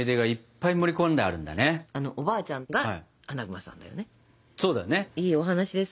いいお話です。